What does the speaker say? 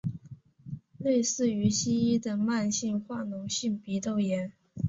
类似于西医的慢性化脓性鼻窦炎。